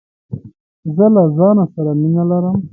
زه له ځانه سره مینه لرم.